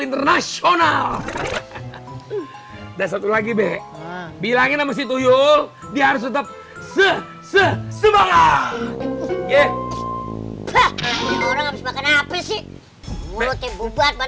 international dan satu lagi be bilangin sama si tuyul dia harus tetap sesebangan